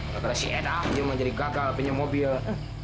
karena si eda aja yang menjadi gagal punya mobil